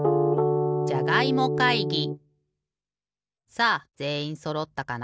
さあぜんいんそろったかな？